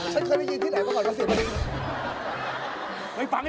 ฉันเคยไม่ยินที่ไหนมาก่อนยังเสียใจไม่ได้